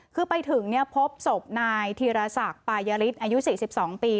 คือไปถึงพบศพนายธีรศักดิ์ปายฤทธิอายุ๔๒ปี